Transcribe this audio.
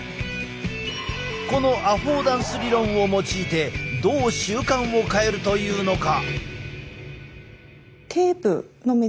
このアフォーダンス理論を用いてどう習慣を変えるというのか？